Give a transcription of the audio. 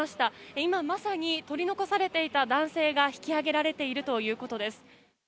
今まさに取り残されていた男性が引き上げられているということです。